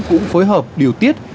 cũng phối hợp điều tiết